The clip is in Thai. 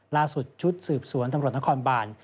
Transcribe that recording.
ล่าสุดชุดสืบสวนตำรวจนครบาน